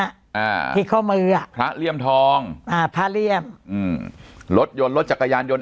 อ่าที่ข้อมืออ่ะพระเลี่ยมทองอ่าพระเลี่ยมอืมรถยนต์รถจักรยานยนต์